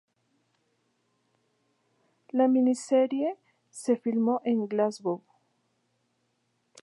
La miniserie se filmó en Glasgow.